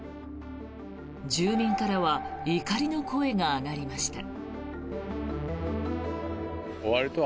住民からは怒りの声が上がりました。